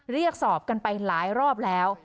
เรียกสอบกันไปหลายรอบแล้ว